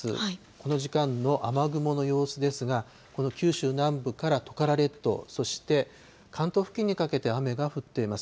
この時間の雨雲の様子ですが、この九州南部からトカラ列島、そして関東付近にかけて雨が降っています。